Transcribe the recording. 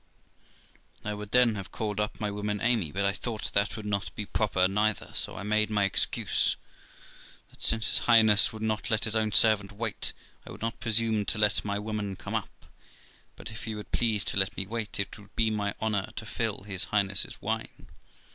I would then have called up my woman Amy, but I thought that would not be proper neither; so I made my excuse, that since his Highness would not let his own servant wait, I would not presume to let my woman come up; but if he would please to let me wait, it would be my honour to fill his Highness's wine.